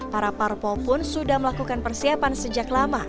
para parpol pun sudah melakukan persiapan sejak lama